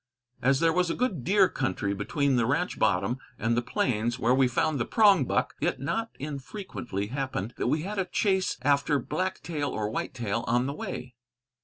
As there was a good deer country between the ranch bottom and the plains where we found the prongbuck, it not infrequently happened that we had a chase after black tail or white tail on the way.